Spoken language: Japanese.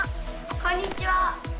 こんにちは！